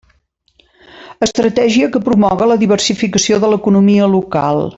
Estratègia que promoga la diversificació de l'economia local.